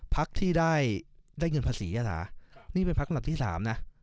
พักที่ได้ได้เงินภาษีอะอ่ะนี่เป็นภาคสำหรัสที่๓น่ะ